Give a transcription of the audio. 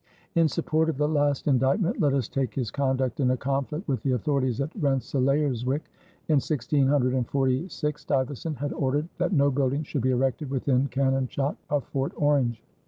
In support of the last indictment let us take his conduct in a conflict with the authorities at Rensselaerswyck. In 1646 Stuyvesant had ordered that no building should be erected within cannon shot of Fort Orange.